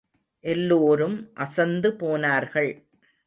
எல்லோரும் அசந்து போனார்கள்.